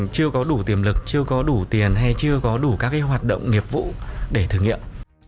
chưa có đủ tiềm lực chưa có đủ tiền hay chưa có đủ các hoạt động nghiệp vụ để thử nghiệm